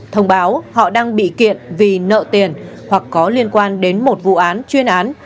thông báo họ đang bị kiện vì nợ tiền hoặc có liên quan đến một vụ án chuyên án